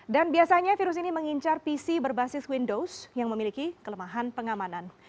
dan biasanya virus ini mengincar pc berbasis windows yang memiliki kelemahan pengamanan